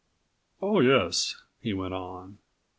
"Oh, yes," he went on.